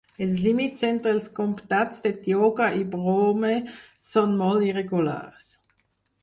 Els límits entre els comptats de Tioga i Broome són molt irregulars.